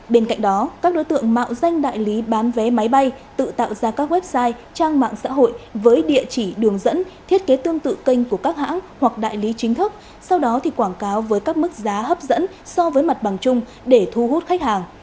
bên cạnh đó các đối tượng mạo danh đại lý bán vé máy bay tự tạo ra các website trang mạng xã hội với địa chỉ đường dẫn thiết kế tương tự kênh của các hãng hoặc đại lý chính thức sau đó thì quảng cáo với các mức giá hấp dẫn so với mặt bằng chung để thu hút khách hàng